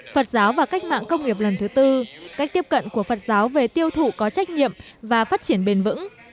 phật giáo và cách mạng công nghiệp lần thứ tư cách tiếp cận của phật giáo về tiêu thụ có trách nhiệm và phát triển bền vững